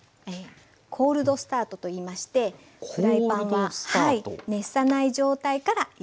「コールドスタート」といいましてフライパンは熱さない状態から焼いていきます。